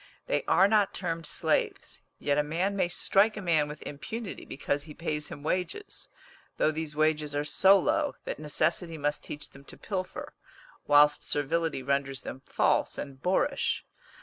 They are not termed slaves; yet a man may strike a man with impunity because he pays him wages, though these wages are so low that necessity must teach them to pilfer, whilst servility renders them false and boorish.